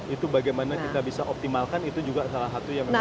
itu bagaimana kita bisa optimalkan itu juga salah satu yang memang